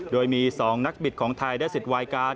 โดยมี๒นักบิดของไทยได้สิทธิ์วายการ์